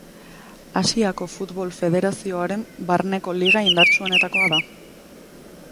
Asiako Futbol Federazioaren barneko liga indartsuenetakoa da.